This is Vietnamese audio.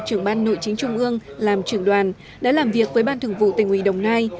trưởng ban nội chính trung ương làm trưởng đoàn đã làm việc với ban thường vụ tình huy đồng nai